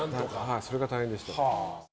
それが大変でした。